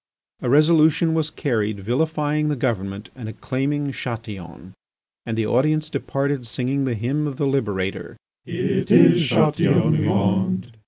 A resolution was carried vilifying the government and acclaiming Chatillon. And the audience departed singing the hymn of the liberator: "It is Chatillon we want."